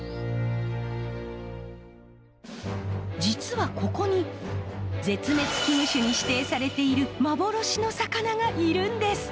実はここに絶滅危惧種に指定されている幻の魚がいるんです。